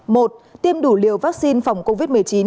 một tiêm đủ liều vaccine phòng covid một mươi chín